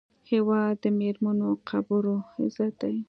هېواد د میړنیو قبرو عزت دی.